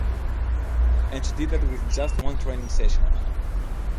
And she did that with just one training session.